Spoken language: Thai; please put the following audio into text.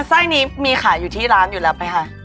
ไส้นี้มีขายอยู่ที่ร้านอยู่แล้วไหมคะ